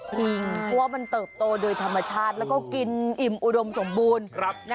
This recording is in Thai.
เพราะว่ามันเติบโตโดยธรรมชาติแล้วก็กินอิ่มอุดมสมบูรณ์